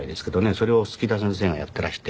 それを薄田先生がやっていらして。